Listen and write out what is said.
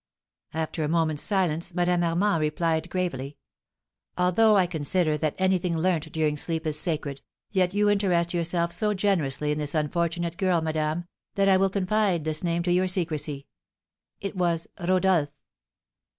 After a moment's silence, Madame Armand replied, gravely: "Although I consider that anything learnt during sleep is sacred, yet you interest yourself so generously in this unfortunate girl, madame, that I will confide this name to your secrecy. It was Rodolph."